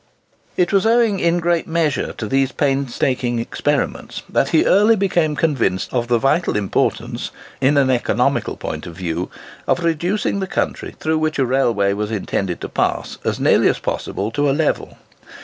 It was owing in a great measure to these painstaking experiments that he early became convinced of the vital importance, in an economical point of view, of reducing the country through which a railway was intended to pass as nearly as possible to a level.